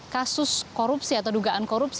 kasus korupsi atau dugaan korupsi